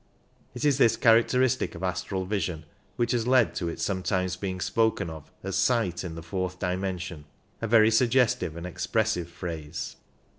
It is this characteristic of astral vision which has led to its sometimes being spoken of as sight in the fourth dimension — a very suggestive and expressive phrase.